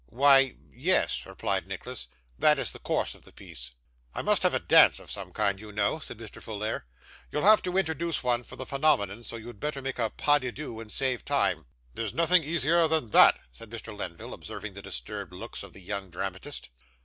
'Why yes,' replied Nicholas: 'that is the course of the piece.' 'I must have a dance of some kind, you know,' said Mr. Folair. 'You'll have to introduce one for the phenomenon, so you'd better make a PAS DE DEUX, and save time.' 'There's nothing easier than that,' said Mr. Lenville, observing the disturbed looks of the young dramatist.